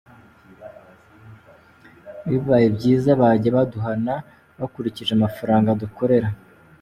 Bibaye byiza bajya baduhana bakurikije amafaranga dukorera”.